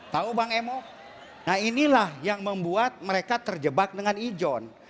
tahu bang emo nah inilah yang membuat mereka terjebak dengan ijon